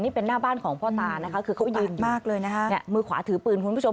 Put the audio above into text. นี่เป็นหน้าบ้านของพ่อตานะคะคือเขายืนมากเลยนะคะเนี่ยมือขวาถือปืนคุณผู้ชม